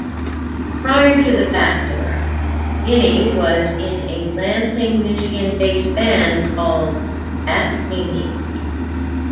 Prior to "The Bachelor", Guiney was in a Lansing, Michigan-based band called "Fat Amy".